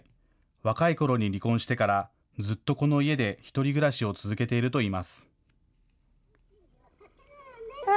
若いころに離婚してからずっとこの家で１人暮らしを続けているといいます。